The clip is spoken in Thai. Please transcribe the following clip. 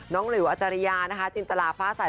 น้องหลิวอาจารยานะคะจินตราฟ้าใส